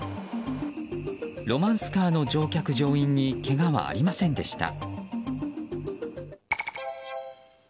ロマンスカーの乗客・乗員にけがはありませんでした。